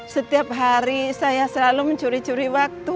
setiap hari saya selalu mencuri curi waktu